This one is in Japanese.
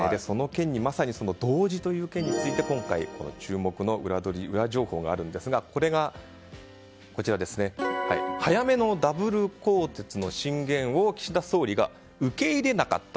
まさに同時という件について注目のウラ情報があるんですが早めのダブル更迭の進言を岸田総理が受け入れなかった？